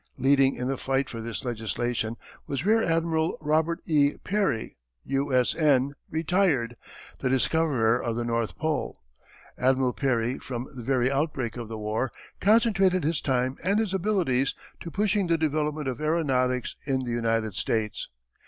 Leading in the fight for this legislation was Rear Admiral Robert E. Peary, U. S. N., retired, the discoverer of the North Pole. Admiral Peary from the very outbreak of the war consecrated his time and his abilities to pushing the development of aeronautics in the United States.